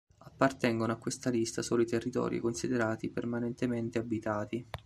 Appartengono a questa lista solo i territori considerati permanentemente abitati.